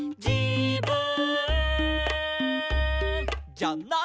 「じゃない」